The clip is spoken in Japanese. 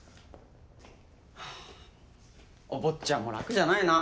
ハァお坊ちゃんも楽じゃないな。